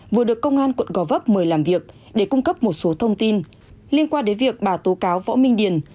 vừa được công an quận gò vấp mời làm việc để cung cấp một số thông tin liên quan đến việc bà tố cáo võ minh điền